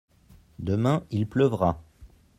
demain il pleuvra.